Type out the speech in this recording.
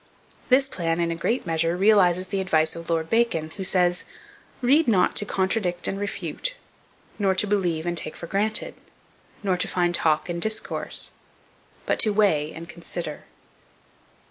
This plan, in a great measure, realizes the advice of Lord Bacon, who says, "Read not to contradict and refute, nor to believe and take for granted, nor to find talk and discourse, but to weigh and consider."